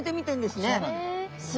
そうなんです。